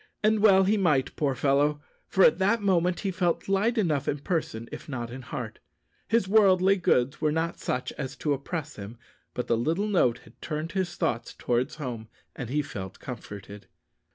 And well he might, poor fellow, for at that moment he felt light enough in person if not in heart. His worldly goods were not such as to oppress him; but the little note had turned his thoughts towards home, and he felt comforted.